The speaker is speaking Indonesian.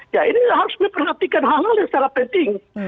ya ini harus diperhatikan hal hal yang sangat penting